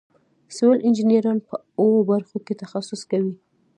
سیول انجینران په اوو برخو کې تخصص کوي.